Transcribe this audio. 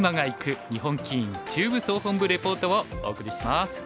日本棋院中部総本部レポート」をお送りします。